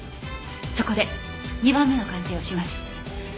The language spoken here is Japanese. そこで２番目の鑑定をします。